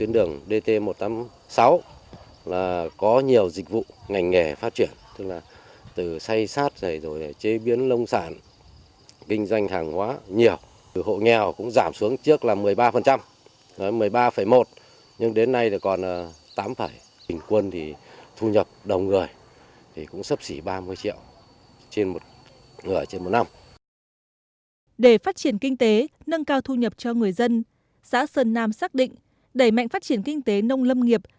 để phát triển kinh tế nâng cao thu nhập cho người dân xã sơn nam xác định đẩy mạnh phát triển kinh tế nông lâm nghiệp